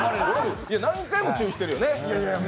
何回も注意してるよね